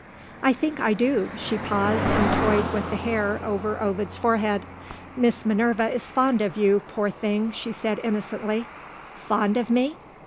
"I think I do." She paused, and toyed with the hair over Ovid's forehead. "Miss Minerva is fond of you, poor thing," she said innocently. "Fond of me?"